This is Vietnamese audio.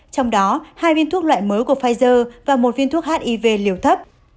trong đó hai viên thuốc loại mới của pfizer và một viên thuốc hiv liều thấp